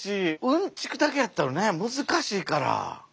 うんちくだけやったらね難しいから。